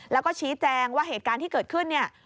แล้วก็ชี้แจงว่าเหตุการณ์ที่เกิดขึ้นเนี่ย